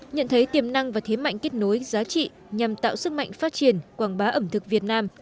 nhận thấy tiềm năng và thế mạnh kết nối giá trị nhằm tạo sức mạnh phát triển quảng bá ẩm thực việt nam